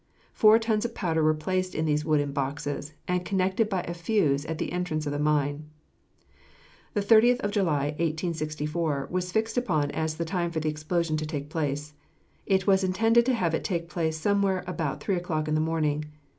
Four tons of powder were placed in these wooden boxes, and connected by a fuse at the entrance of the mine. The 30th of July, 1864, was fixed upon as the time for the explosion to take place. It was intended to have it take place somewhere about three o'clock in the morning.